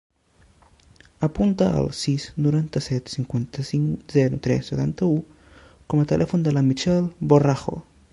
Apunta el sis, noranta-set, quaranta-cinc, zero, tres, setanta-u com a telèfon de la Michelle Borrajo.